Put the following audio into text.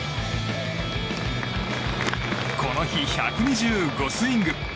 この日、１２５スイング。